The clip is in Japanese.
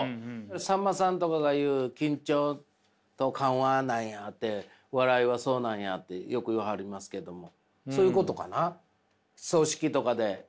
さんまさんとかが言う「緊張と緩和なんや」って「笑いはそうなんや」ってよく言わはりますけどもそういうことかな？